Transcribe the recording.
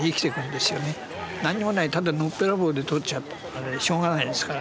何もないただのっぺらぼうで撮っちゃうとしょうがないですから。